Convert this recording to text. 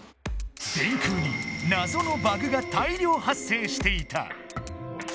電空になぞのバグが大量発生していた。